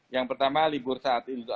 yang pertama libur saat ini